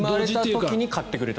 生まれた時に飼ってくれた。